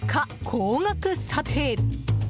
高額査定。